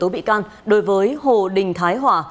bị can đối với hồ đình thái hòa